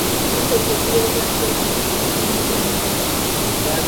Emmotoka eziwerekera pulezidenti zikuumibwa nnyo.